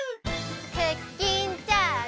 クッキンチャージ！